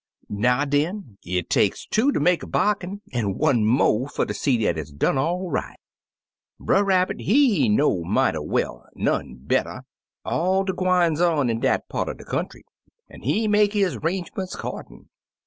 "Now, den, it takes two ter make a bar gain, an' one mo' fer ter see dat it's done all right. Brer Rabbit, he know mighty well — none better — all de gwines on in dat part er de country, an' he make his 'rangerments 'cordin'.